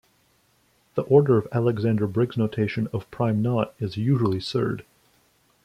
The order of Alexander-Briggs notation of prime knot is usually sured.